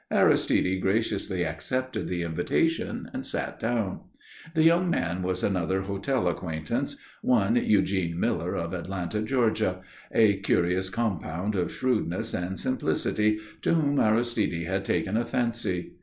Aristide graciously accepted the invitation and sat down. The young man was another hotel acquaintance, one Eugene Miller of Atlanta, Georgia, a curious compound of shrewdness and simplicity, to whom Aristide had taken a fancy.